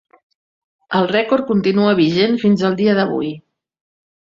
El rècord continua vigent fins al dia d'avui.